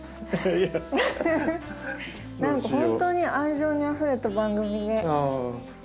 何か本当に愛情にあふれた番組で。